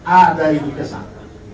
ada itu kesan